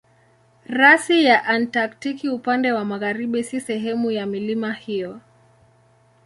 Rasi ya Antaktiki upande wa magharibi si sehemu ya milima hiyo.